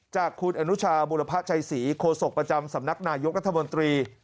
จากคุณอนุชาบุรพชัยศรีโคศกประจำสำนักนายกรัฐมนตรี